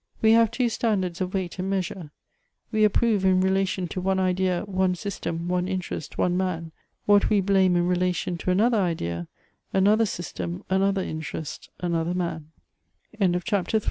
We have two standards of weight and measure ; we approve, in relation to one idea, one system, one interest, one man, what we blame in relation to another idea, another system, another interest, another man, , 328 MEMOIBS OF Iioadon» £ram April t